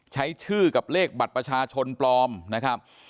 ใช้ชื่อกับเลขบัตรประชาชนปลอมนะครับ